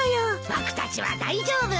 僕たちは大丈夫。